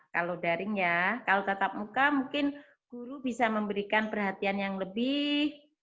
kalau daring ya kalau tetap muka mungkin guru bisa memberikan perhatian yang lebih